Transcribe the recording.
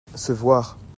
se voir.